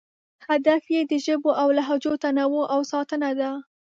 هدف یې د ژبو او لهجو تنوع او ساتنه ده.